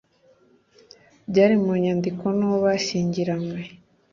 byari mu nyandiko n uwo bashyingiranywe